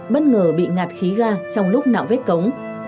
bất ngờ bị ngạt khí ga trong lúc nạo vét cống